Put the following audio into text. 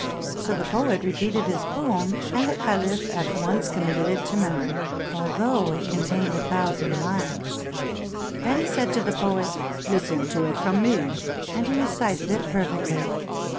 So the poet repeated his poem, and the caliph at once committed it to memory, although it contained a thou sand lines. Then he said to the poet: "Listen to it from me," and he recited it perfectly.